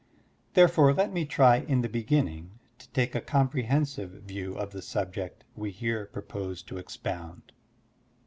Therefore, let me try in the beginning to take a comprehensive view of the subject we here propose to expound.